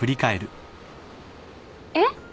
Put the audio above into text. えっ？